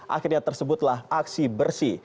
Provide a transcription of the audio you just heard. akhirnya tersebutlah aksi bersih